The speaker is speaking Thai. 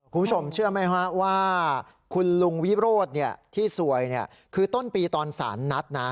คุณผู้ชมเชื่อไหมฮะว่าคุณลุงวิโรธที่ซวยคือต้นปีตอนสารนัดนะ